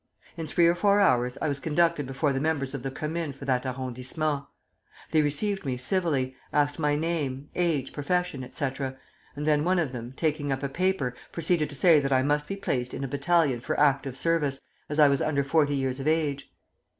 In three or four hours I was conducted before the members of the Commune for that arrondissement. They received me civilly, asked my name, age, profession, etc., and then one of them, taking up a paper, proceeded to say that I must be placed in a battalion for active service, as I was under forty years of age.